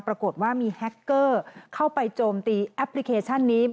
ปรากฏว่ามีแฮคเกอร์เข้าไปโจมตีแอปพลิเคชันนี้